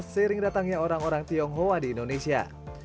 seiring datangnya orang orang tionghoa di indonesia